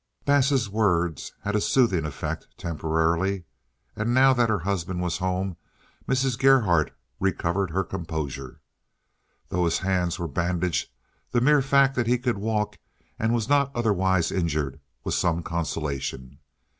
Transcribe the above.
Bass's words had a soothing effect, temporarily, and, now that her husband was home, Mrs. Gerhardt recovered her composure. Though his hands were bandaged, the mere fact that he could walk and was not otherwise injured was some consolation.